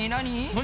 何？